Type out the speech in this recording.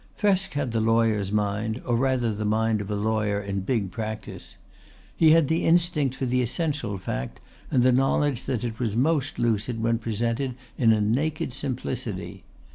Thresk had the lawyer's mind or rather the mind of a lawyer in big practice. He had the instinct for the essential fact and the knowledge that it was most lucid when presented in a naked simplicity.